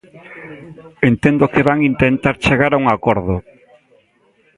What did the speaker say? Entendo que van intentar chegar a un acordo.